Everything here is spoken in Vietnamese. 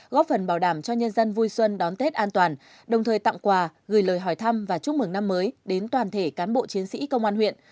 góp phần bảo đảm cho nhân dân vui xuân đón tết an toàn đồng thời tặng quà gửi lời hỏi thăm và chúc mừng năm mới đến toàn thể cán bộ chiến sĩ công an huyện